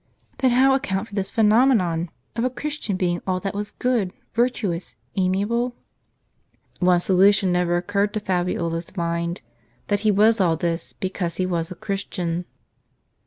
Then how account for this phenomenon, of a Christian being all that was good, virtuous, amiable ? One solution never occurred to Fabiola' s mind, that he impossible ! ffi was all this because lie was a Christian.